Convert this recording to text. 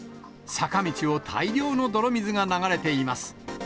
坂道を大量の泥水が流れています。